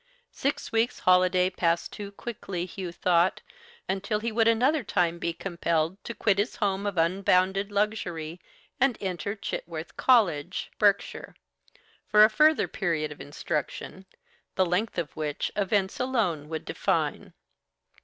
Six weeks' holiday passed too quickly, Hugh thought, until he would another time be compelled to quit his home of unbounded luxury and enter Chitworth College, Berks, for a further period of instruction, the length of which events alone would define.